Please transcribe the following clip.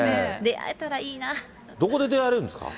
どこで出会えるんですか？